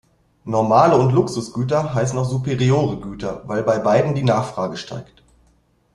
Normale und Luxusgüter heißen auch superiore Güter, weil bei beiden die Nachfrage steigt.